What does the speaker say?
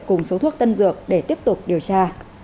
cùng số thuốc tân dược để tiếp tục điều tra